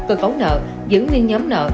cơ cấu nợ giữ nguyên nhóm nợ